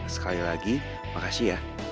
sekali lagi makasih ya